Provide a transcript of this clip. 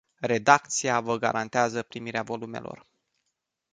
Redacția vă garantează primirea volumelor.